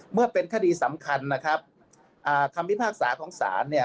เมื่อเป็นคดีสำคัญนะครับอ่าคำพิพากษาของศาลเนี่ย